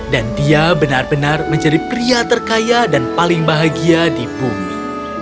dan dia benar benar menjadi pria terkaya dan paling bahagia di bumi